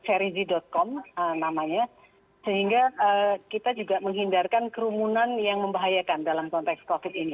serizi com namanya sehingga kita juga menghindarkan kerumunan yang membahayakan dalam konteks covid ini